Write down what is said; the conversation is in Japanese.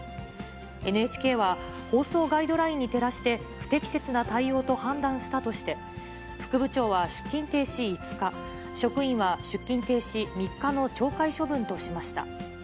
ＮＨＫは、放送ガイドラインに照らして不適切な対応と判断したとして、副部長は出勤停止５日、職員は出勤停止３日の懲戒処分としました。